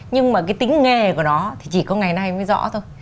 nhưng mà cái tính nghề của nó thì chỉ có ngày nay mới rõ thôi